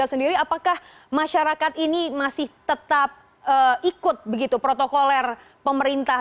satga sendiri apakah masyarakat ini masih tetap ikut protokolir pemerintah